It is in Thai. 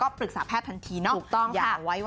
ปรึกษาแพทย์ทันทีเนาะ